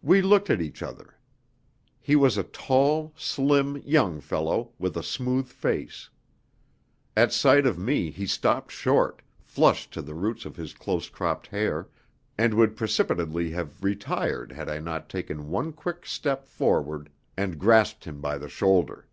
We looked at each other. He was a tall, slim, young fellow, with a smooth face. At sight of me he stopped short, flushed to the roots of his close cropped hair, and would precipitately have retired had I not taken one quick step forward and grasped him by the shoulder.